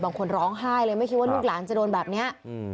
ร้องไห้เลยไม่คิดว่าลูกหลานจะโดนแบบนี้